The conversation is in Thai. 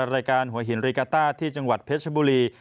รายการหัวหินริกาต้าที่จังหวัดเพชรบุรี